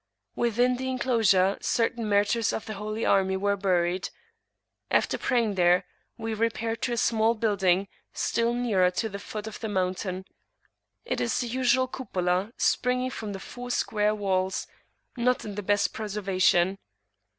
Within the enclosure certain martyrs of the holy army were buried. After praying there, we repaired to a small building still nearer to the foot of the mountain. It is the usual cupola springing from four square walls, not in the best preservation.